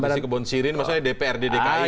oh politisi kebun sirih maksudnya dpr di dki ya